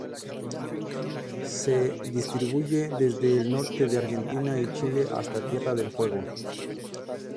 Se distribuye desde el norte de Argentina y Chile, hasta Tierra del Fuego.